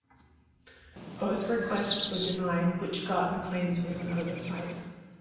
Both requests were denied, which Garten claims was an oversight.